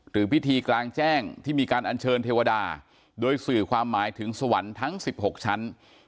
พิธีกลางแจ้งที่มีการอัญเชิญเทวดาโดยสื่อความหมายถึงสวรรค์ทั้ง๑๖ชั้น